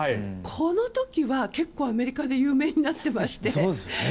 この時は結構、アメリカで有名になっていまして。